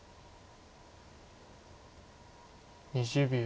２０秒。